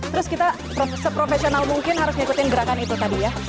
terus kita seprofesional mungkin harus ngikutin gerakan itu tadi ya